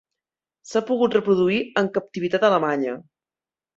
S'ha pogut reproduir en captivitat a Alemanya.